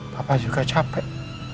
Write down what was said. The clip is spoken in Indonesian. papa juga capek